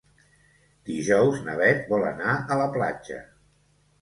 Dijous na Beth vol anar a la platja.